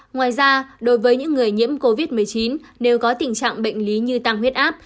ngoài ra đối với những người nhiễm covid một mươi chín nếu có tình trạng bệnh lý như tăng huyết áp